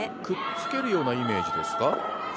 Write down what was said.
くっつけるようなイメージですか。